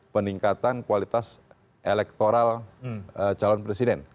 peningkatan kualitas elektoral calon presiden